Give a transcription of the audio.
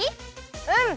うん！